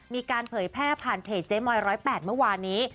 เผยแพร่ผ่านเพจเจ๊มอย๑๐๘เมื่อวานนี้